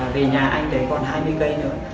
về nhà anh đấy còn hai mươi cây nữa